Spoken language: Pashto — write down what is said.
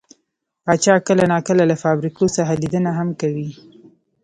پاچا کله نا کله له فابريکو څخه ليدنه هم کوي .